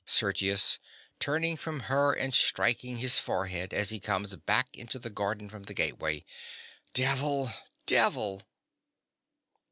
SERGIUS. (turning from her and striking his forehead as he comes back into the garden from the gateway). Devil! devil!